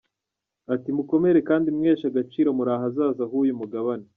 Ati “Mukomere kandi mwiheshe agaciro muri ahazaza h’uyu mugabane.